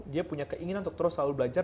dia punya keinginan untuk terus selalu belajar